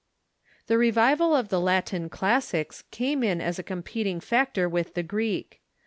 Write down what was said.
The revival of the Latin classics came in as a competing factor with the Greek.